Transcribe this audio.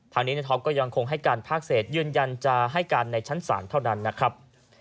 ทางนี้ในท็อปก็ยังคงให้การภาคเศษยืนยันจะให้การในชั้นศาลเท่านั้นนะครับ